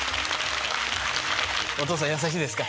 お父さん優しいですか？